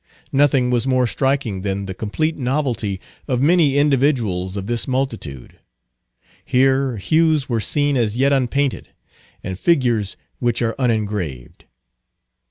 Nothing was more striking than the complete novelty of many individuals of this multitude. Here hues were seen as yet unpainted, and figures which are unengraved.